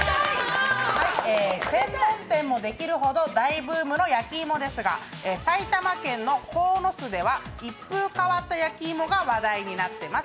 専門店もできるほど大ブームの焼き芋ですが埼玉県の鴻巣では一風変わった焼き芋が話題になっています。